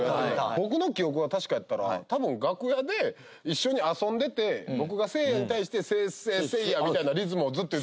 僕の記憶が確かやったら多分楽屋で一緒に遊んでて僕がせいやに対して「せっせっせいや」みたいなリズムをずっと言ってた。